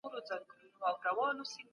څېړنه او انتقاد یو د بل بشپړونکي دي.